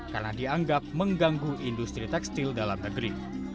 karena dianggap mengganggu industri tekstil dalam negeri